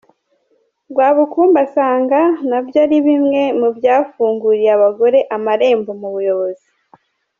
Rwabukumba asanga na byo ari bimwe mu byafunguriye abagore amarembo mu buyobozi.